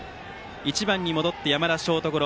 １番に戻って山田、ショートゴロ。